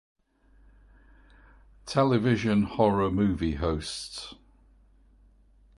Television Horror Movie Hosts.